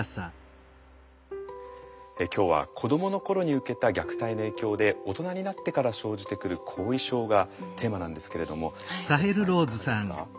今日は子どもの頃に受けた虐待の影響で大人になってから生じてくる後遺症がテーマなんですけれどもサヘルさんいかがですか？